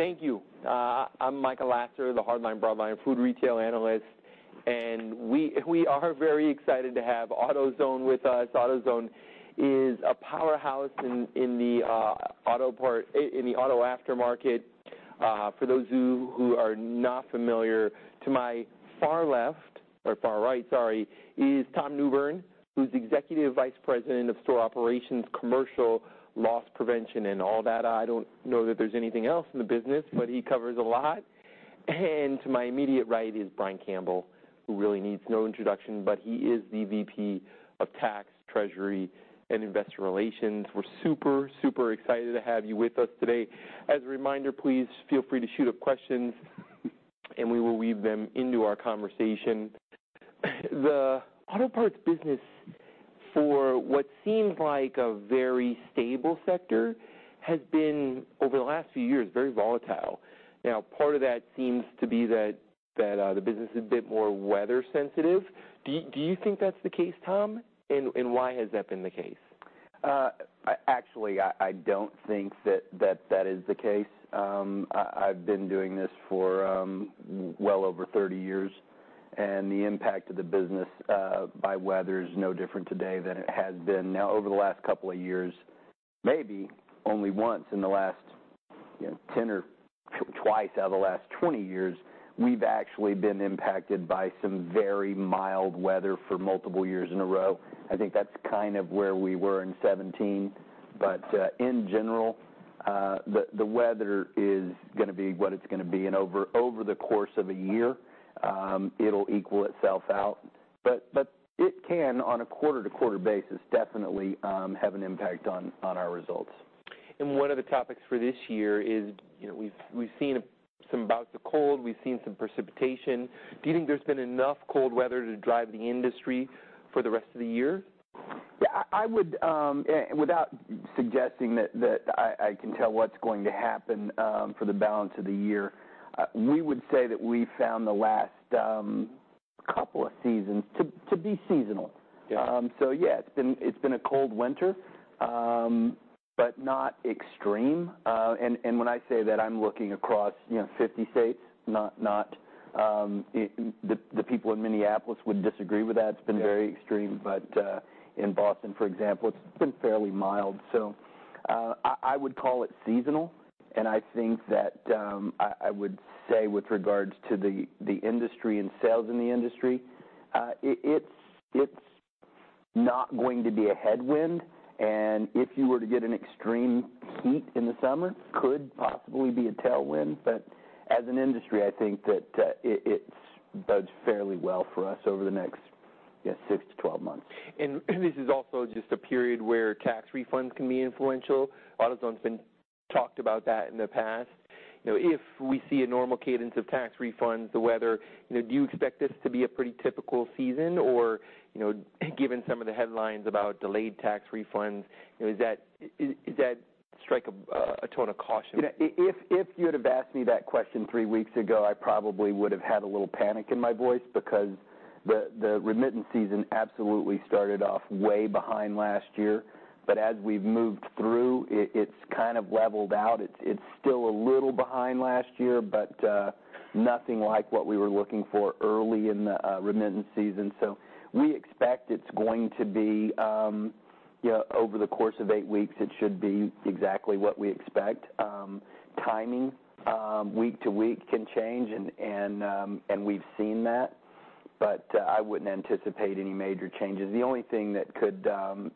Thank you. I'm Michael Lassner, the Hard Line, Broad Line, and Food Retail Analyst. We are very excited to have AutoZone with us. AutoZone is a powerhouse in the auto aftermarket. For those who are not familiar, to my far left or far right, sorry, is Tom Newbern, who's Executive Vice President of Store Operations, Commercial Loss Prevention, and ALLDATA. I don't know that there's anything else in the business. He covers a lot. To my immediate right is Brian Campbell, who really needs no introduction. He is the VP of Tax, Treasury, and Investor Relations. We're super excited to have you with us today. As a reminder, please feel free to shoot up questions. We will weave them into our conversation. The auto parts business, for what seems like a very stable sector, has been, over the last few years, very volatile. Part of that seems to be that the business is a bit more weather sensitive. Do you think that's the case, Tom? Why has that been the case? Actually, I don't think that is the case. I've been doing this for well over 30 years. The impact of the business by weather is no different today than it has been. Over the last couple of years, maybe only once in the last 10 or twice out of the last 20 years, we've actually been impacted by some very mild weather for multiple years in a row. I think that's kind of where we were in 2017. In general, the weather is going to be what it's going to be. Over the course of a year, it'll equal itself out. It can, on a quarter-to-quarter basis, definitely have an impact on our results. One of the topics for this year is we've seen some bouts of cold, we've seen some precipitation. Do you think there's been enough cold weather to drive the industry for the rest of the year? Yeah, without suggesting that I can tell what's going to happen for the balance of the year, we would say that we found the last couple of seasons to be seasonal. Yeah. Yeah, it's been a cold winter, but not extreme. When I say that, I'm looking across 50 states. The people in Minneapolis would disagree with that. It's been very extreme. In Boston, for example, it's been fairly mild. I would call it seasonal, and I think that I would say with regards to the industry and sales in the industry, it's not going to be a headwind, and if you were to get an extreme heat in the summer, could possibly be a tailwind. As an industry, I think that it bodes fairly well for us over the next 6-12 months. This is also just a period where tax refunds can be influential. AutoZone's been talked about that in the past. If we see a normal cadence of tax refunds, the weather, do you expect this to be a pretty typical season? Given some of the headlines about delayed tax refunds, does that strike a tone of caution? If you would've asked me that question 3 weeks ago, I probably would've had a little panic in my voice because the remittance season absolutely started off way behind last year. As we've moved through, it's kind of leveled out. It's still a little behind last year, but nothing like what we were looking for early in the remittance season. We expect it's going to be, over the course of 8 weeks, it should be exactly what we expect. Timing, week to week, can change, and we've seen that, but I wouldn't anticipate any major changes. The only thing that could influence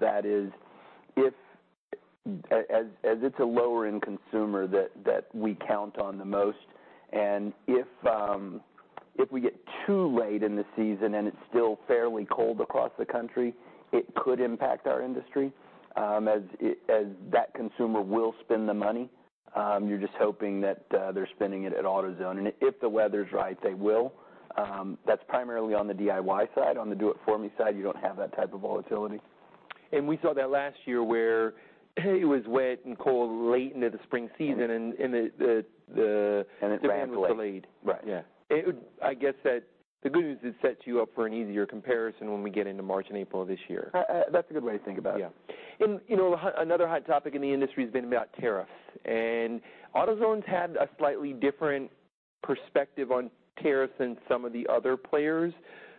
that is, as it's a lower-end consumer that we count on the most, and if we get too late in the season and it's still fairly cold across the country, it could impact our industry, as that consumer will spend the money. You're just hoping that they're spending it at AutoZone. If the weather's right, they will. That's primarily on the DIY side. On the Do It For Me side, you don't have that type of volatility. We saw that last year where it was wet and cold late into the spring season, and the- It ran late. demand was delayed. Right. Yeah. I guess that the good news is it sets you up for an easier comparison when we get into March and April of this year. That's a good way to think about it. Yeah. Another hot topic in the industry has been about tariffs, and AutoZone's had a slightly different perspective on tariffs than some of the other players.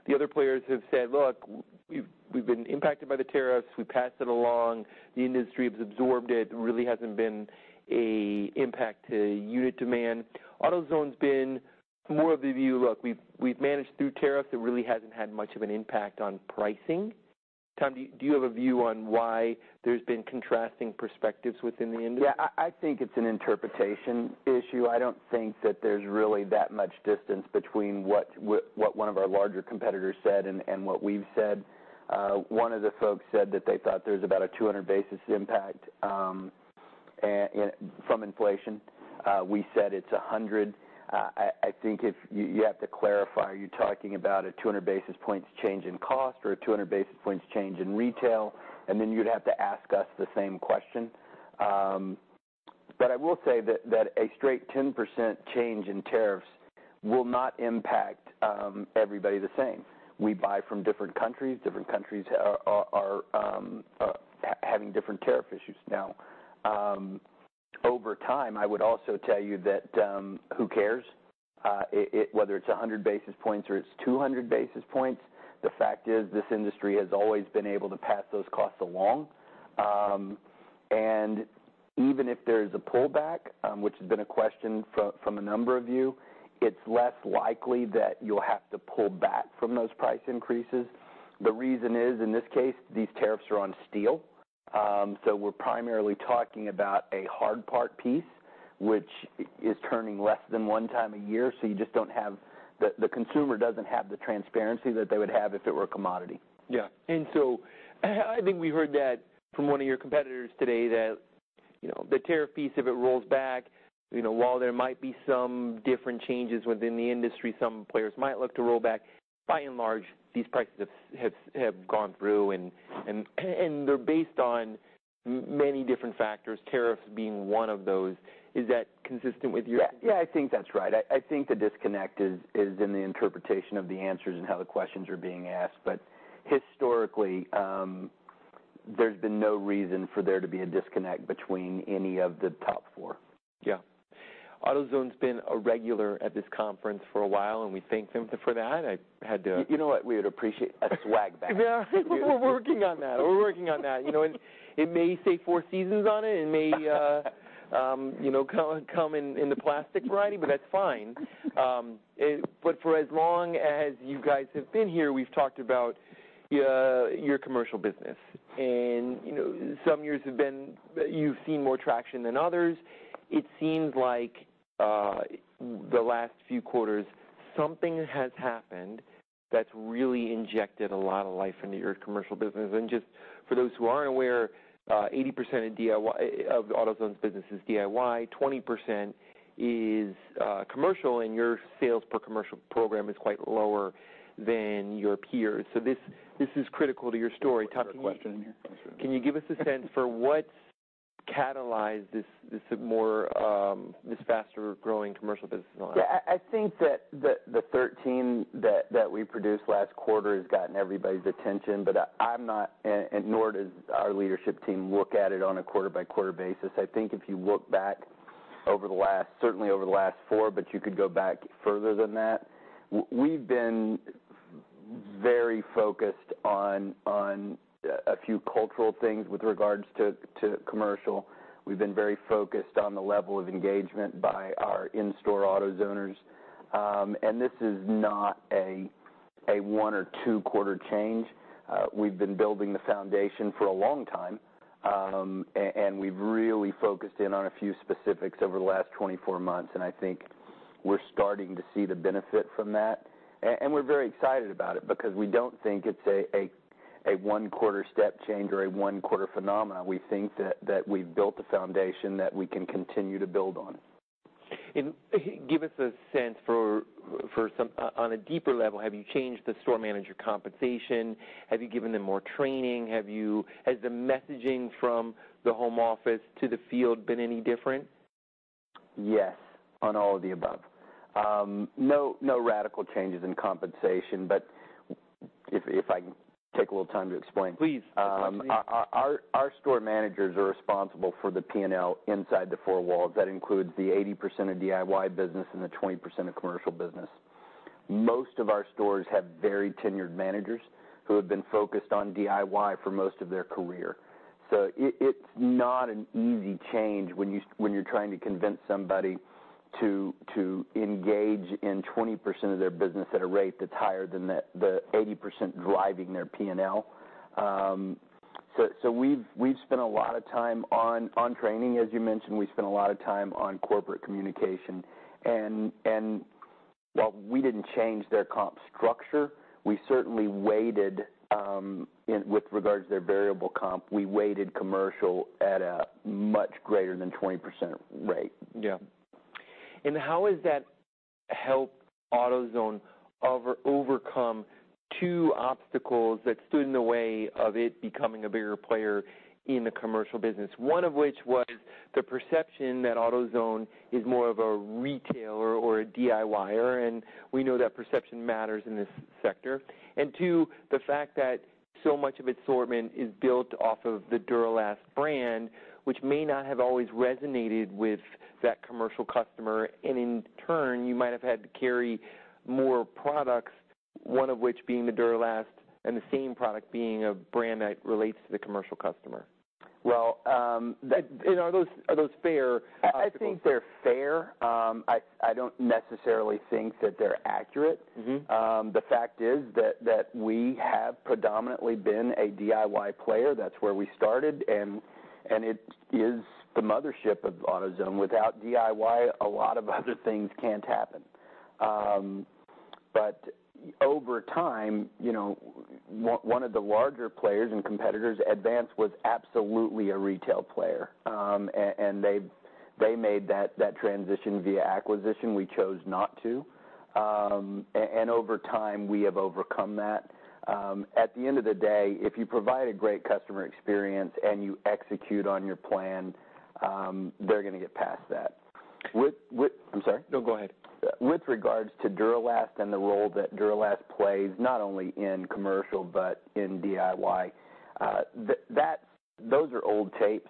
The other players have said, "Look, we've been impacted by the tariffs. We passed it along. The industry has absorbed it. There really hasn't been a impact to unit demand." AutoZone's been more of the view, look, we've managed through tariffs. It really hasn't had much of an impact on pricing. Tom, do you have a view on why there's been contrasting perspectives within the industry? Yeah. I think it's an interpretation issue. I don't think that there's really that much distance between what one of our larger competitors said and what we've said. One of the folks said that they thought there's about a 200 basis impact from inflation. We said it's 100. I think if you have to clarify, are you talking about a 200 basis points change in cost or a 200 basis points change in retail? Then you'd have to ask us the same question. I will say that a straight 10% change in tariffs will not impact everybody the same. We buy from different countries. Different countries are having different tariff issues now. Over time, I would also tell you that who cares whether it's 100 basis points or it's 200 basis points? The fact is, this industry has always been able to pass those costs along. Even if there is a pullback, which has been a question from a number of you, it's less likely that you'll have to pull back from those price increases. The reason is, in this case, these tariffs are on steel. We're primarily talking about a hard part piece, which is turning less than one time a year, so the consumer doesn't have the transparency that they would have if it were a commodity. Yeah. I think we heard that from one of your competitors today that the tariff piece, if it rolls back, while there might be some different changes within the industry, some players might look to roll back. By and large, these prices have gone through and they're based on many different factors, tariffs being one of those. Is that consistent with your- Yeah, I think that's right. I think the disconnect is in the interpretation of the answers and how the questions are being asked. Historically, there's been no reason for there to be a disconnect between any of the top four. Yeah. AutoZone's been a regular at this conference for a while, and we thank them for that. You know what? We would appreciate a swag bag. Yeah. We're working on that. We're working on that. It may say Four Seasons on it. It may come in the plastic variety, but that's fine. For as long as you guys have been here, we've talked about your commercial business, and some years you've seen more traction than others. It seems like the last few quarters, something has happened that's really injected a lot of life into your commercial business. Just for those who aren't aware, 80% of AutoZone's business is DIY, 20% is commercial, and your sales per commercial program is quite lower than your peers. This is critical to your story. Can I tuck a question in here? Can you give us a sense for what's catalyzed this faster-growing commercial business in the last year? I think that the 13 that we produced last quarter has gotten everybody's attention, but I'm not, and nor does our leadership team, look at it on a quarter-by-quarter basis. I think if you look back certainly over the last four, but you could go back further than that, we've been very focused on a few cultural things with regards to commercial. We've been very focused on the level of engagement by our in-store AutoZoners, this is not a one or two-quarter change. We've been building the foundation for a long time, and we've really focused in on a few specifics over the last 24 months, I think we're starting to see the benefit from that. We're very excited about it because we don't think it's a one-quarter step change or a one-quarter phenomenon. We think that we've built a foundation that we can continue to build on. Give us a sense for, on a deeper level, have you changed the store manager compensation? Have you given them more training? Has the messaging from the home office to the field been any different? Yes, on all of the above. No radical changes in compensation. If I can take a little time to explain. Please. Our store managers are responsible for the P&L inside the four walls. That includes the 80% of DIY business and the 20% of commercial business. Most of our stores have very tenured managers who have been focused on DIY for most of their career. It's not an easy change when you're trying to convince somebody to engage in 20% of their business at a rate that's higher than the 80% driving their P&L. We've spent a lot of time on training, as you mentioned. We've spent a lot of time on corporate communication. While we didn't change their comp structure, with regards to their variable comp, we weighted commercial at a much greater than 20% rate. Yeah. How has that helped AutoZone overcome two obstacles that stood in the way of it becoming a bigger player in the commercial business, one of which was the perception that AutoZone is more of a retailer or a DIYer, and we know that perception matters in this sector. Two, the fact that so much of its assortment is built off of the Duralast brand, which may not have always resonated with that commercial customer, and in turn, you might have had to carry more products, one of which being the Duralast and the same product being a brand that relates to the commercial customer. Well- Are those fair obstacles? I think they're fair. I don't necessarily think that they're accurate. The fact is that we have predominantly been a DIY player. That's where we started, and it is the mothership of AutoZone. Without DIY, a lot of other things can't happen. Over time, one of the larger players and competitors, Advance, was absolutely a retail player. They made that transition via acquisition. We chose not to. Over time, we have overcome that. At the end of the day, if you provide a great customer experience and you execute on your plan They're going to get past that. I'm sorry. No, go ahead. With regards to Duralast and the role that Duralast plays, not only in commercial but in DIY, those are old tapes.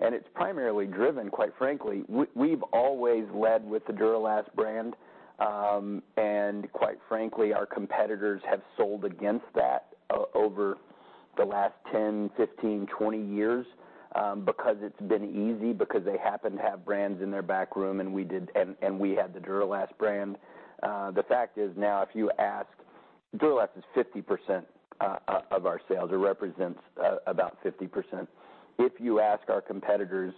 It's primarily driven, quite frankly, we've always led with the Duralast brand, and quite frankly, our competitors have sold against that over the last 10, 15, 20 years, because it's been easy, because they happen to have brands in their back room, and we had the Duralast brand. The fact is now, if you ask, Duralast is 50% of our sales, or represents about 50%. If you ask our competitors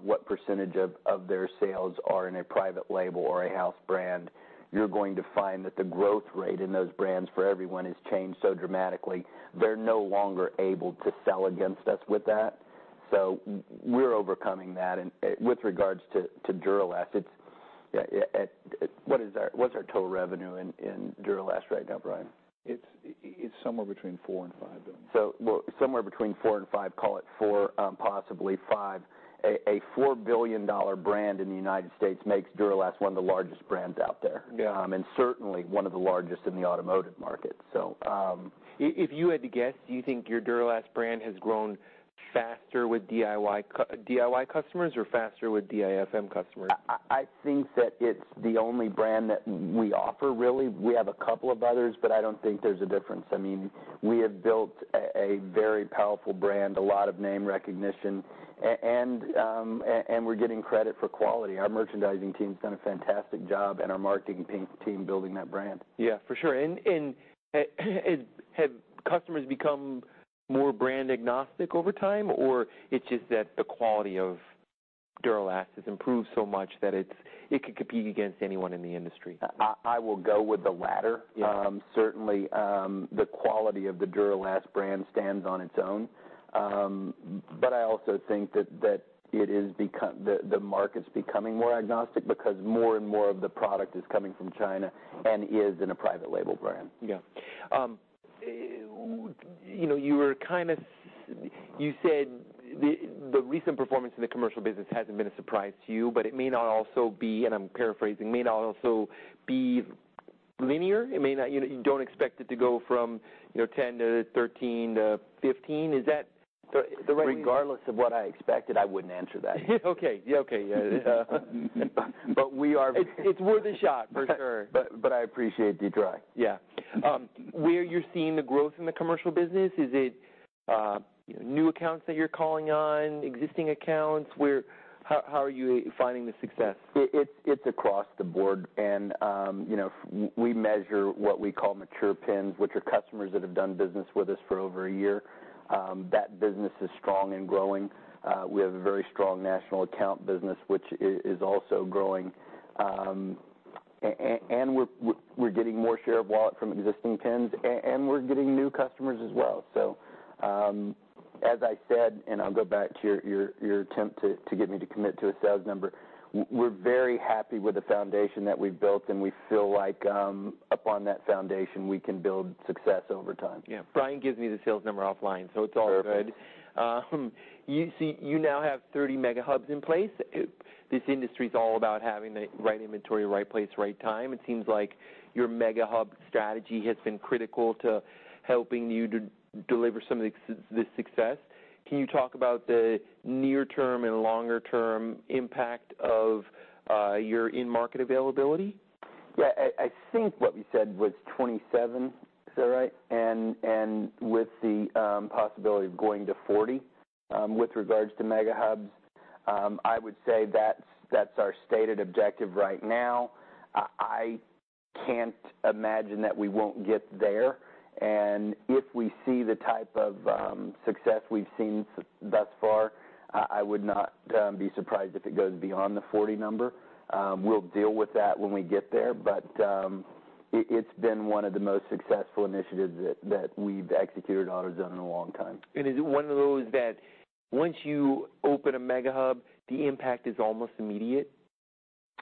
what percentage of their sales are in a private label or a house brand, you're going to find that the growth rate in those brands for everyone has changed so dramatically, they're no longer able to sell against us with that. We're overcoming that, and with regards to Duralast, what's our total revenue in Duralast right now, Brian? It's somewhere between $4 billion and $5 billion. Somewhere between four and five, call it four, possibly five. A $4 billion brand in the U.S. makes Duralast one of the largest brands out there. Yeah. Certainly one of the largest in the automotive market. If you had to guess, do you think your Duralast brand has grown faster with DIY customers or faster with DIFM customers? I think that it's the only brand that we offer, really. We have a couple of others, but I don't think there's a difference. We have built a very powerful brand, a lot of name recognition, and we're getting credit for quality. Our merchandising team's done a fantastic job and our marketing team building that brand. Have customers become more brand agnostic over time, or it's just that the quality of Duralast has improved so much that it could compete against anyone in the industry? I will go with the latter. Yeah. Certainly, the quality of the Duralast brand stands on its own. I also think that the market's becoming more agnostic because more and more of the product is coming from China and is in a private label brand. Yeah. You said the recent performance in the commercial business hasn't been a surprise to you, but it may not also be, and I'm paraphrasing, may not also be linear. You don't expect it to go from 10 to 13 to 15. Is that the right? Regardless of what I expected, I wouldn't answer that. Okay. Yeah. we are- It's worth a shot, for sure. I appreciate the try. Yeah. Where you're seeing the growth in the commercial business, is it new accounts that you're calling on, existing accounts? How are you finding the success? It's across the board. We measure what we call mature PINs, which are customers that have done business with us for over a year. That business is strong and growing. We have a very strong national account business, which is also growing. We're getting more share of wallet from existing PINs, and we're getting new customers as well. As I said, and I'll go back to your attempt to get me to commit to a sales number, we're very happy with the foundation that we've built, and we feel like upon that foundation, we can build success over time. Yeah. Brian gives me the sales number offline, it's all good. Perfect. You now have 30 mega hubs in place. This industry's all about having the right inventory, right place, right time. It seems like your mega hub strategy has been critical to helping you to deliver some of this success. Can you talk about the near-term and longer-term impact of your in-market availability? Yeah, I think what we said was 27. Is that right? With the possibility of going to 40 with regards to mega hubs. I would say that's our stated objective right now. I can't imagine that we won't get there, and if we see the type of success we've seen thus far, I would not be surprised if it goes beyond the 40 number. We'll deal with that when we get there, but it's been one of the most successful initiatives that we've executed at AutoZone in a long time. Is it one of those that once you open a mega hub, the impact is almost immediate?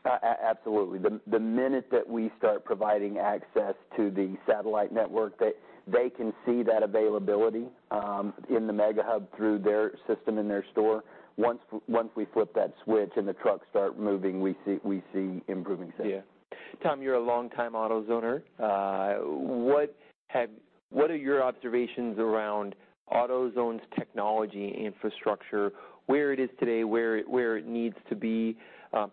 Absolutely. The minute that we start providing access to the satellite network, they can see that availability in the mega hub through their system in their store. Once we flip that switch and the trucks start moving, we see improvements there. Yeah. Tom, you're a longtime AutoZoner. What are your observations around AutoZone's technology infrastructure, where it is today, where it needs to be,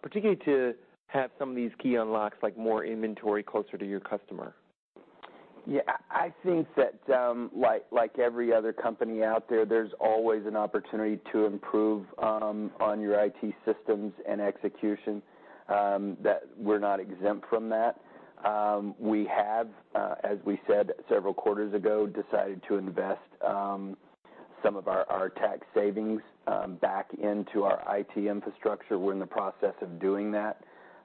particularly to have some of these key unlocks, like more inventory closer to your customer? Yeah, I think that like every other company out there's always an opportunity to improve on your IT systems and execution, that we're not exempt from that. We have, as we said several quarters ago, decided to invest some of our tax savings back into our IT infrastructure. We're in the process of doing that.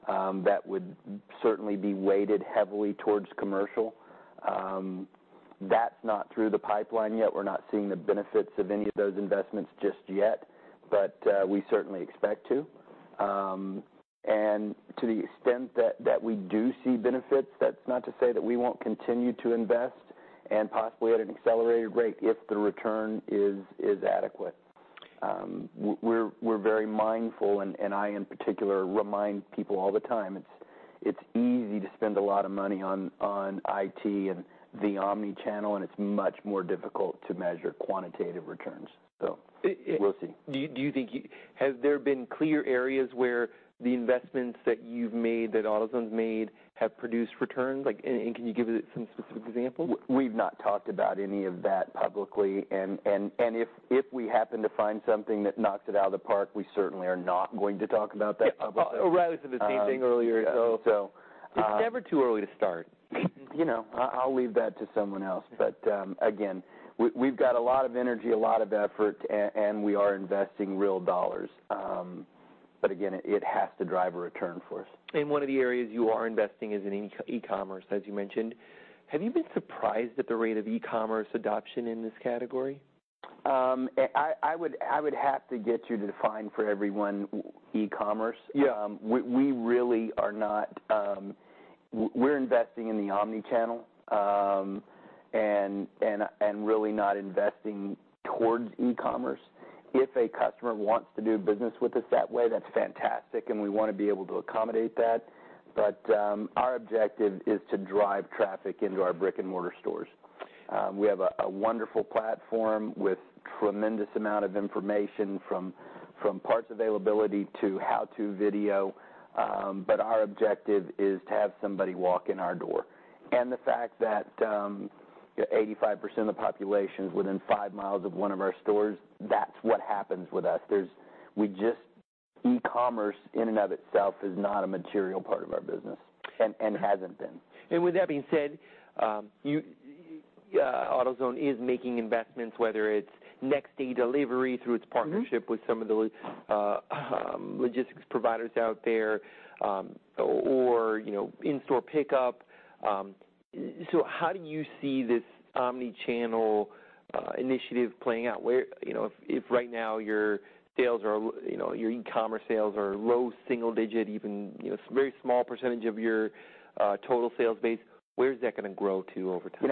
That would certainly be weighted heavily towards commercial. That's not through the pipeline yet. We're not seeing the benefits of any of those investments just yet, but we certainly expect to. To the extent that we do see benefits, that's not to say that we won't continue to invest. Possibly at an accelerated rate if the return is adequate. We're very mindful, and I in particular remind people all the time, it's easy to spend a lot of money on IT and the omni-channel, and it's much more difficult to measure quantitative returns. We'll see. Have there been clear areas where the investments that you've made, that AutoZone's made, have produced returns? Can you give some specific examples? We've not talked about any of that publicly, and if we happen to find something that knocks it out of the park, we certainly are not going to talk about that publicly. Yeah. O'Reilly said the same thing earlier. So- It's never too early to start. I'll leave that to someone else. Again, we've got a lot of energy, a lot of effort, and we are investing real dollars. Again, it has to drive a return for us. One of the areas you are investing is in e-commerce, as you mentioned. Have you been surprised at the rate of e-commerce adoption in this category? I would have to get you to define for everyone, e-commerce. Yeah. We're investing in the omni-channel, really not investing towards e-commerce. If a customer wants to do business with us that way, that's fantastic, and we want to be able to accommodate that. Our objective is to drive traffic into our brick-and-mortar stores. We have a wonderful platform with tremendous amount of information from parts availability to how-to video. Our objective is to have somebody walk in our door. The fact that 85% of the population is within five miles of one of our stores, that's what happens with us. E-commerce in and of itself is not a material part of our business, and hasn't been. With that being said, AutoZone is making investments, whether it's next-day delivery through its partnership with some of the logistics providers out there, or in-store pickup. How do you see this omni-channel initiative playing out? If right now your e-commerce sales are low single digit even, very small percentage of your total sales base, where's that going to grow to over time?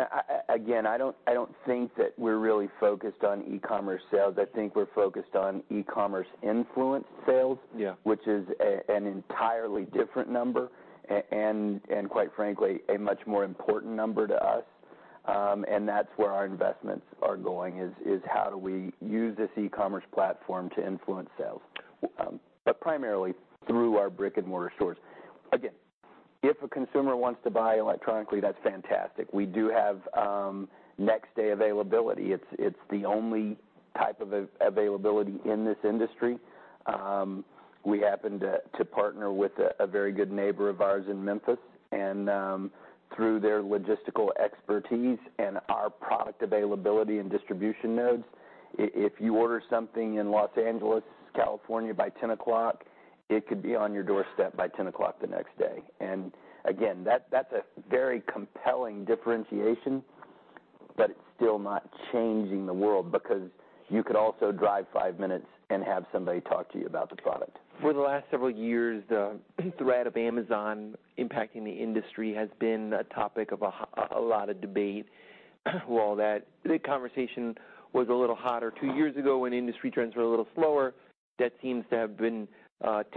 Again, I don't think that we're really focused on e-commerce sales. I think we're focused on e-commerce influenced sales. Yeah which is an entirely different number, and quite frankly, a much more important number to us. That's where our investments are going is how do we use this e-commerce platform to influence sales? Primarily through our brick-and-mortar stores. Again, if a consumer wants to buy electronically, that's fantastic. We do have next-day availability. It's the only type of availability in this industry. We happen to partner with a very good neighbor of ours in Memphis, and through their logistical expertise and our product availability and distribution nodes, if you order something in Los Angeles, California by 10:00, it could be on your doorstep by 10:00 the next day. Again, that's a very compelling differentiation, but it's still not changing the world because you could also drive five minutes and have somebody talk to you about the product. For the last several years, the threat of Amazon impacting the industry has been a topic of a lot of debate. Well, that conversation was a little hotter two years ago when industry trends were a little slower. That seems to have been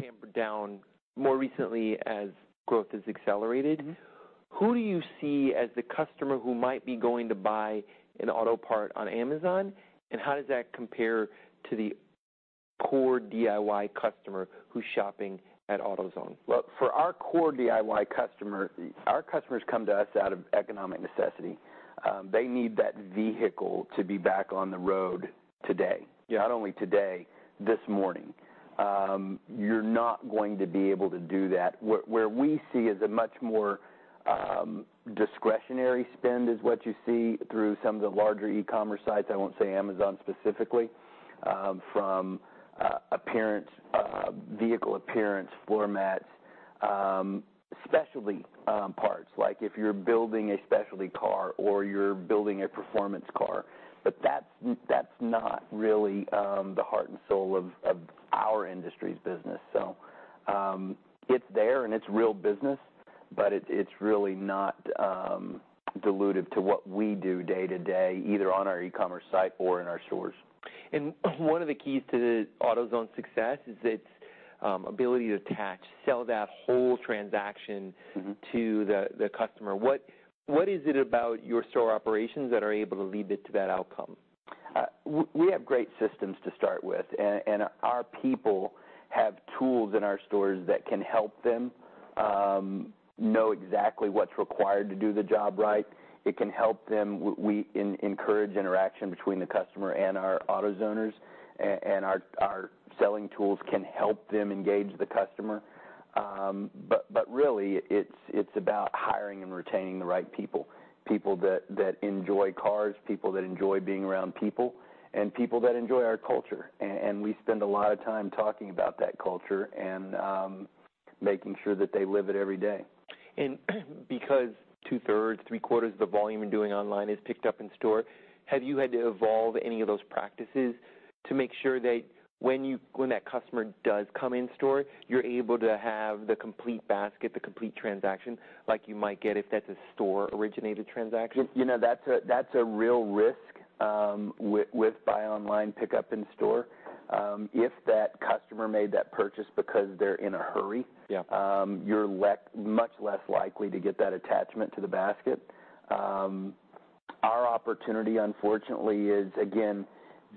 tempered down more recently as growth has accelerated. Who do you see as the customer who might be going to buy an auto part on Amazon, and how does that compare to the core DIY customer who's shopping at AutoZone? Well, for our core DIY customer, our customers come to us out of economic necessity. They need that vehicle to be back on the road today. Yeah. Not only today, this morning. You're not going to be able to do that. Where we see is a much more discretionary spend is what you see through some of the larger e-commerce sites, I won't say Amazon specifically, from vehicle appearance, floor mats, specialty parts, like if you're building a specialty car or you're building a performance car. That's not really the heart and soul of our industry's business. It's there and it's real business, but it's really not dilutive to what we do day to day, either on our e-commerce site or in our stores. One of the keys to AutoZone's success is its ability to attach, sell that whole transaction- to the customer. What is it about your store operations that are able to lead it to that outcome? We have great systems to start with, and our people have tools in our stores that can help them know exactly what's required to do the job right. It can help them. We encourage interaction between the customer and our AutoZoners, and our selling tools can help them engage the customer. Really, it's about hiring and retaining the right people. People that enjoy cars, people that enjoy being around people, and people that enjoy our culture. We spend a lot of time talking about that culture and making sure that they live it every day. Because two-thirds, three-quarters of the volume you're doing online is picked up in store, have you had to evolve any of those practices to make sure that when that customer does come in store, you're able to have the complete basket, the complete transaction, like you might get if that's a store-originated transaction? That's a real risk with buy online, pick up in store. If that customer made that purchase because they're in a hurry. Yeah you're much less likely to get that attachment to the basket. Our opportunity, unfortunately, is, again,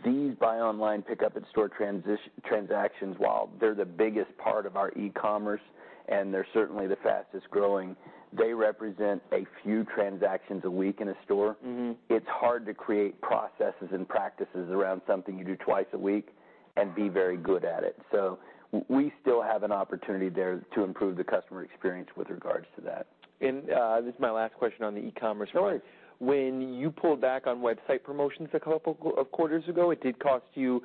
these buy online, pick up in store transactions, while they're the biggest part of our e-commerce, and they're certainly the fastest-growing, they represent a few transactions a week in a store. It's hard to create processes and practices around something you do twice a week and be very good at it. We still have an opportunity there to improve the customer experience with regards to that. This is my last question on the e-commerce front. No worries. When you pulled back on website promotions a couple of quarters ago, it did cost you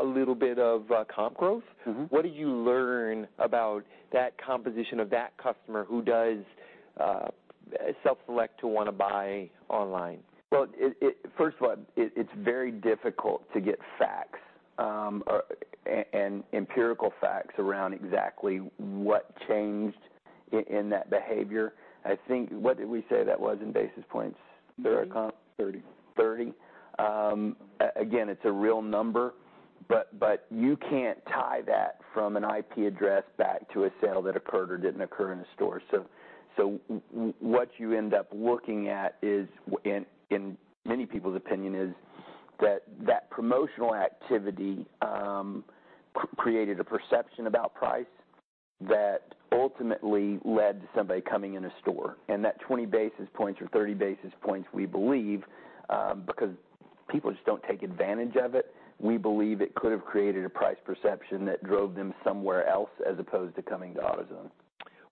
a little bit of comp growth. What did you learn about that composition of that customer who does self-select to want to buy online? Well, first of all, it's very difficult to get facts, and empirical facts around exactly what changed in that behavior. What did we say that was in basis points? Thirty. 30. Again, it's a real number, you can't tie that from an IP address back to a sale that occurred or didn't occur in a store. What you end up looking at, in many people's opinion, is that promotional activity created a perception about price that ultimately led to somebody coming in a store. That 20 basis points or 30 basis points, we believe, because people just don't take advantage of it, we believe it could've created a price perception that drove them somewhere else as opposed to coming to AutoZone.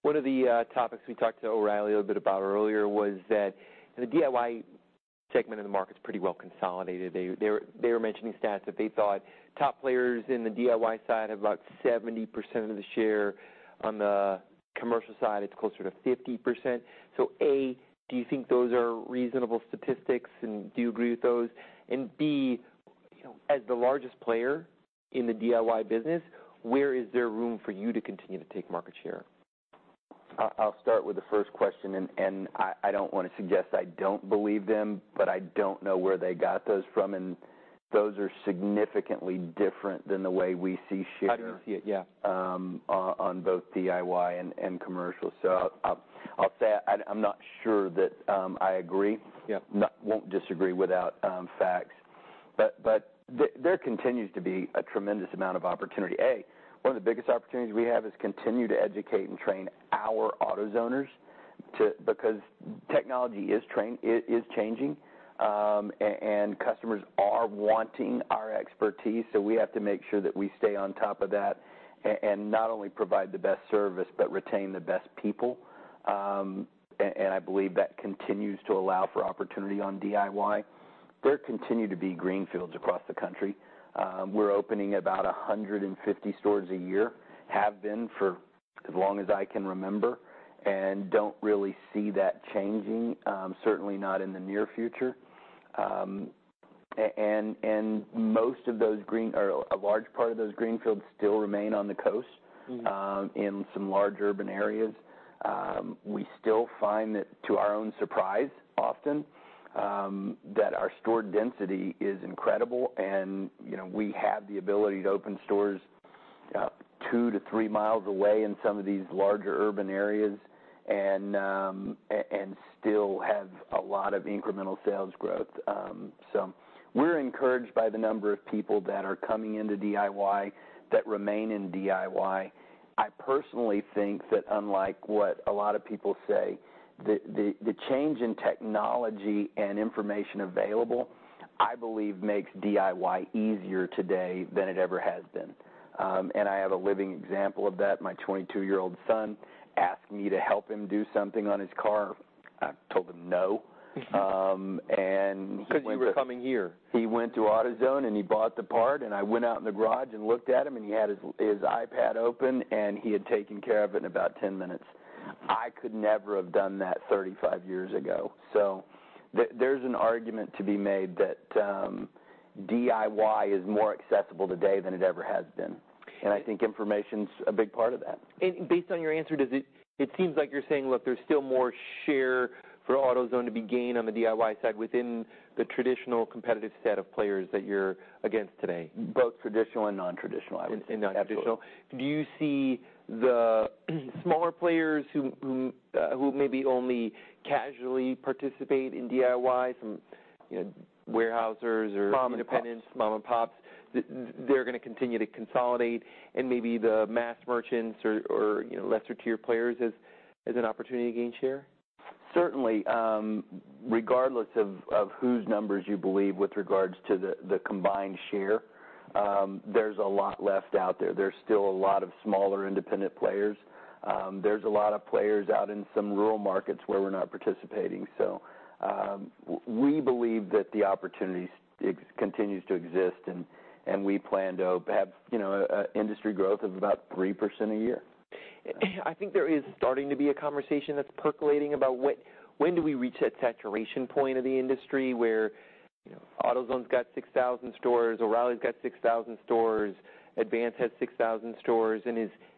One of the topics we talked to O'Reilly a little bit about earlier was that the DIY segment of the market's pretty well consolidated. They were mentioning stats that they thought top players in the DIY side have about 70% of the share. On the commercial side, it's closer to 50%. A, do you think those are reasonable statistics, and do you agree with those? B, as the largest player in the DIY business, where is there room for you to continue to take market share? I'll start with the first question, and I don't want to suggest I don't believe them, but I don't know where they got those from, and those are significantly different than the way we see share- I didn't see it, yeah on both DIY and commercial. I'll say I'm not sure that I agree. Yeah. Won't disagree without facts. There continues to be a tremendous amount of opportunity. One of the biggest opportunities we have is continue to educate and train our AutoZoners, because technology is changing, and customers are wanting our expertise, so we have to make sure that we stay on top of that and not only provide the best service but retain the best people, and I believe that continues to allow for opportunity on DIY. There continue to be greenfields across the country. We're opening about 150 stores a year, have been for as long as I can remember, and don't really see that changing, certainly not in the near future. A large part of those greenfields still remain on the coast- in some large urban areas. We still find that, to our own surprise often, that our store density is incredible, and we have the ability to open stores two to three miles away in some of these larger urban areas and still have a lot of incremental sales growth. We're encouraged by the number of people that are coming into DIY, that remain in DIY. I personally think that unlike what a lot of people say, the change in technology and information available, I believe, makes DIY easier today than it ever has been. I have a living example of that. My 22-year-old son asked me to help him do something on his car. I told him no. He went- Because you were coming here he went to AutoZone, and he bought the part, and I went out in the garage and looked at him, and he had his iPad open, and he had taken care of it in about 10 minutes. I could never have done that 35 years ago. There's an argument to be made that DIY is more accessible today than it ever has been. I think information's a big part of that. Based on your answer, it seems like you're saying, look, there's still more share for AutoZone to be gained on the DIY side within the traditional competitive set of players that you're against today. Both traditional and non-traditional, I would say. Non-traditional. Do you see the smaller players, who maybe only casually participate in DIY, some warehousers or independents. Mom and pops. Mom and pops, they're going to continue to consolidate and maybe the mass merchants or lesser-tier players as an opportunity to gain share? Certainly. Regardless of whose numbers you believe with regards to the combined share, there's a lot left out there. There's still a lot of smaller independent players. There's a lot of players out in some rural markets where we're not participating. We believe that the opportunity continues to exist, and we plan to have industry growth of about 3% a year. I think there is starting to be a conversation that's percolating about when do we reach that saturation point of the industry where AutoZone's got 6,000 stores, O'Reilly's got 6,000 stores, Advance has 6,000 stores,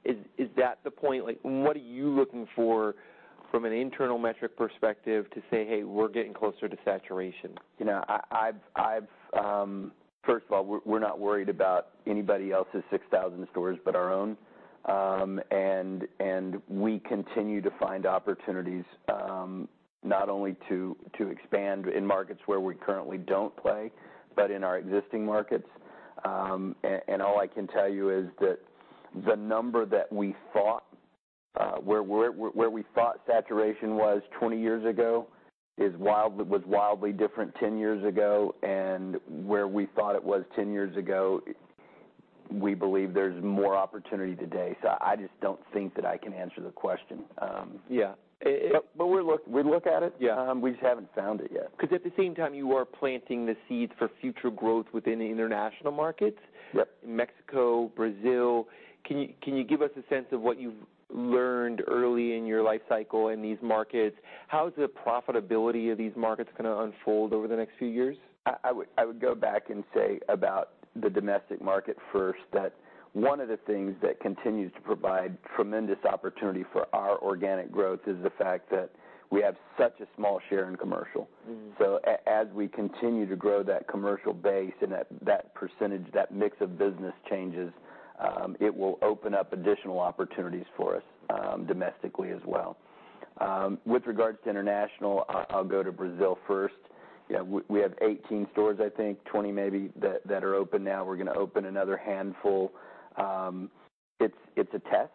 is that the point? What are you looking for from an internal metric perspective to say, "Hey, we're getting closer to saturation? First of all, we're not worried about anybody else's 6,000 stores but our own. We continue to find opportunities, not only to expand in markets where we currently don't play, but in our existing markets. All I can tell you is that the number where we thought saturation was 20 years ago was wildly different 10 years ago, and where we thought it was 10 years ago, we believe there's more opportunity today. I just don't think that I can answer the question. Yeah. We look at it. Yeah. We just haven't found it yet. Because at the same time, you are planting the seeds for future growth within the international markets. Yep. Mexico, Brazil. Can you give us a sense of what you've learned early in your life cycle in these markets? How is the profitability of these markets going to unfold over the next few years? I would go back and say about the domestic market first, that one of the things that continues to provide tremendous opportunity for our organic growth is the fact that we have such a small share in commercial. As we continue to grow that commercial base and that percentage, that mix of business changes, it will open up additional opportunities for us domestically as well. With regards to international, I'll go to Brazil first. We have 18 stores, I think, 20 maybe, that are open now. We're going to open another handful. It's a test.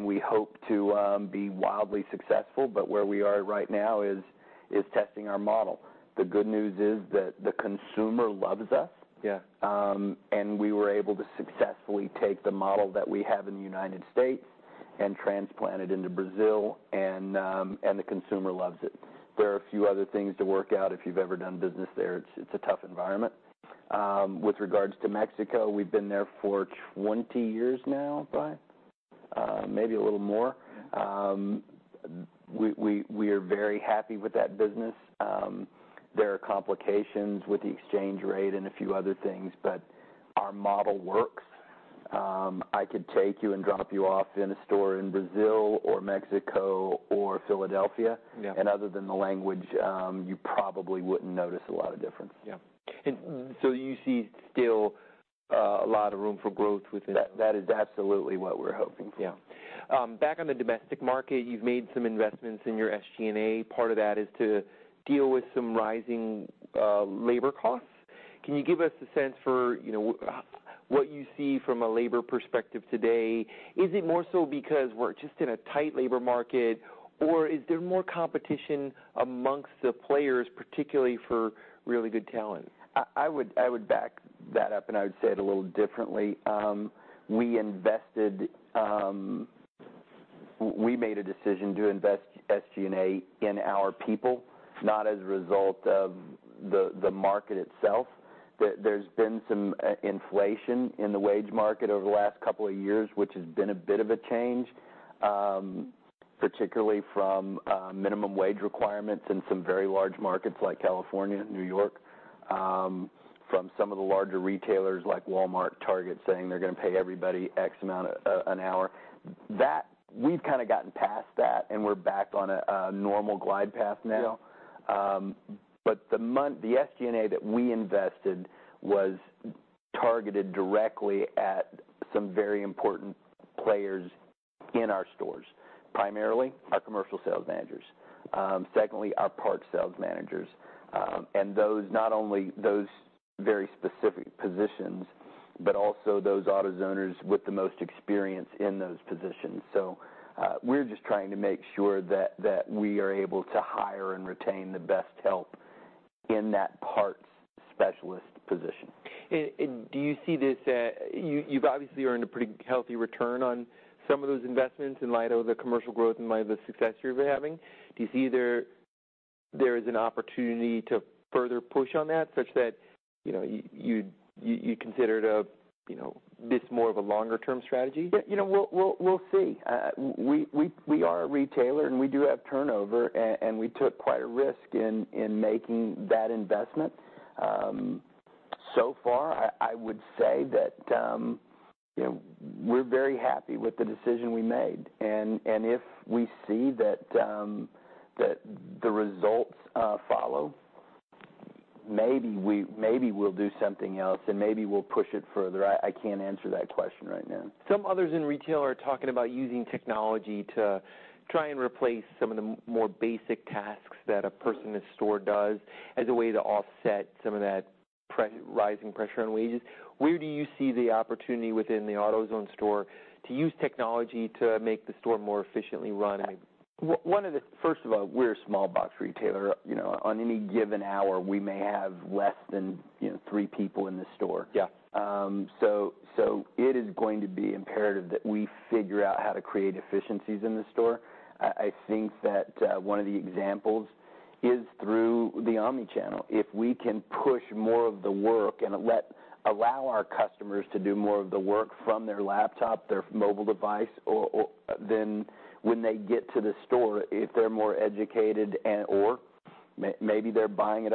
We hope to be wildly successful, but where we are right now is testing our model. The good news is that the consumer loves us. Yeah. We were able to successfully take the model that we have in the U.S. and transplant it into Brazil. The consumer loves it. There are a few other things to work out. If you've ever done business there, it's a tough environment. With regards to Mexico, we've been there for 20 years now, Brian? Maybe a little more. We are very happy with that business. There are complications with the exchange rate and a few other things, our model works. I could take you and drop you off in a store in Brazil or Mexico or Philadelphia. Yeah. Other than the language, you probably wouldn't notice a lot of difference. Yeah. You see still a lot of room for growth within that? That is absolutely what we're hoping. Yeah. Back on the domestic market, you've made some investments in your SG&A. Part of that is to deal with some rising labor costs. Can you give us a sense for what you see from a labor perspective today? Is it more so because we're just in a tight labor market, or is there more competition amongst the players, particularly for really good talent? I would back that up and I would say it a little differently. We made a decision to invest SG&A in our people, not as a result of the market itself. There's been some inflation in the wage market over the last couple of years, which has been a bit of a change, particularly from minimum wage requirements in some very large markets like California, New York, from some of the larger retailers like Walmart, Target, saying they're going to pay everybody X amount an hour. We've kind of gotten past that, and we're back on a normal glide path now. Yeah. The SG&A that we invested was targeted directly at some very important players in our stores. Primarily, our commercial sales managers. Secondly, our parts sales managers. Not only those very specific positions, but also those AutoZoners with the most experience in those positions. We're just trying to make sure that we are able to hire and retain the best help in that parts specialist position. You've obviously earned a pretty healthy return on some of those investments in light of the commercial growth, in light of the success you're having. Do you see there is an opportunity to further push on that such that you consider this more of a longer-term strategy? We'll see. We are a retailer and we do have turnover. We took quite a risk in making that investment. So far, I would say that we're very happy with the decision we made. If we see that the results follow, maybe we'll do something else and maybe we'll push it further. I can't answer that question right now. Some others in retail are talking about using technology to try and replace some of the more basic tasks that a person in a store does as a way to offset some of that rising pressure on wages. Where do you see the opportunity within the AutoZone store to use technology to make the store more efficiently run? First of all, we're a small-box retailer. On any given hour, we may have less than three people in the store. Yeah. It is going to be imperative that we figure out how to create efficiencies in the store. I think that one of the examples is through the omni-channel. If we can push more of the work and allow our customers to do more of the work from their laptop, their mobile device, then when they get to the store, if they're more educated or maybe they're buying it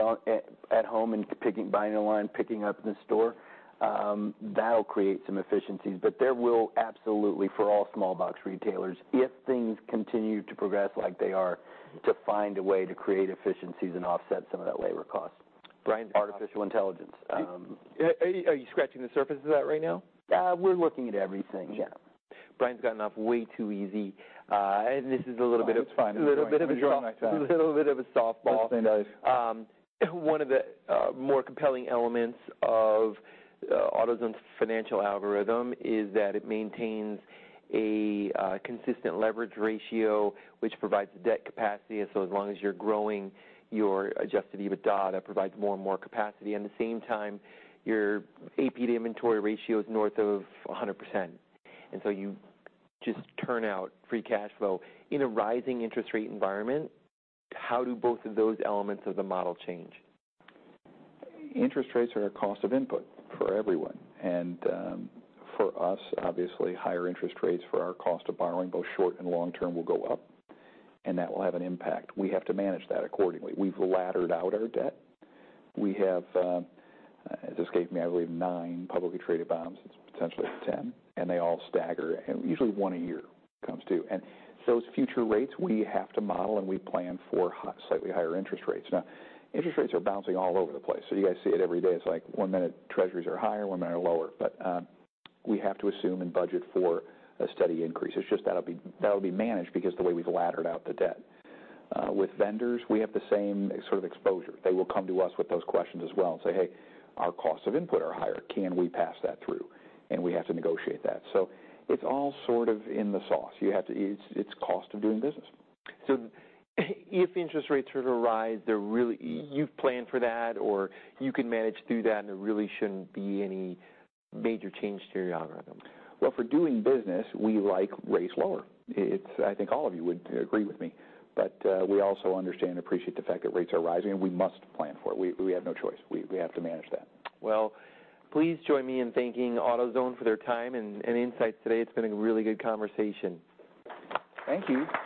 at home and buying online, picking up in store, that'll create some efficiencies. There will absolutely, for all small box retailers, if things continue to progress like they are, to find a way to create efficiencies and offset some of that labor cost. Brian- Artificial intelligence. Are you scratching the surface of that right now? We're looking at everything, yeah. Brian's gotten off way too easy. No, it's fine. I'm enjoying myself. A little bit of a soft ball. I understand that. One of the more compelling elements of AutoZone's financial algorithm is that it maintains a consistent leverage ratio, which provides debt capacity. As long as you're growing your adjusted EBITDA, that provides more and more capacity. At the same time, your AP to inventory ratio is north of 100%. You just turn out free cash flow. In a rising interest rate environment, how do both of those elements of the model change? Interest rates are a cost of input for everyone. For us, obviously, higher interest rates for our cost of borrowing, both short and long-term, will go up, and that will have an impact. We have to manage that accordingly. We've laddered out our debt. We have, it just escaped me, I believe nine publicly traded bonds. It's potentially 10. They all stagger. Usually one a year comes due. Those future rates, we have to model and we plan for slightly higher interest rates. Now, interest rates are bouncing all over the place. You guys see it every day. It's like one minute Treasuries are higher, one minute are lower. We have to assume and budget for a steady increase. It's just that'll be managed because the way we've laddered out the debt. With vendors, we have the same sort of exposure. They will come to us with those questions as well and say, "Hey, our cost of input are higher. Can we pass that through?" We have to negotiate that. It's all sort of in the sauce. It's cost of doing business. If interest rates were to rise, you've planned for that, or you can manage through that, and there really shouldn't be any major change to your algorithm. Well, for doing business, we like rates lower. I think all of you would agree with me. We also understand and appreciate the fact that rates are rising, and we must plan for it. We have no choice. We have to manage that. Well, please join me in thanking AutoZone for their time and insights today. It's been a really good conversation. Thank you.